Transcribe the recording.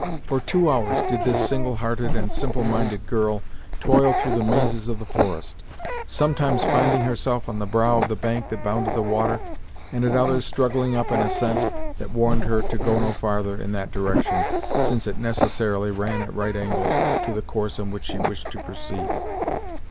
For two hours did this single hearted and simple minded girl toil through the mazes of the forest, sometimes finding herself on the brow of the bank that bounded the water, and at others struggling up an ascent that warned her to go no farther in that direction, since it necessarily ran at right angles to the course on which she wished to proceed.